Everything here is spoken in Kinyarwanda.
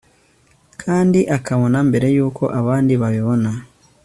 kandi akabona mbere yuko abandi babibona